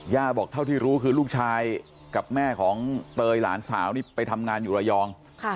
บอกเท่าที่รู้คือลูกชายกับแม่ของเตยหลานสาวนี่ไปทำงานอยู่ระยอง